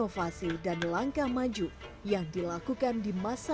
walaupun keadaan sudah normal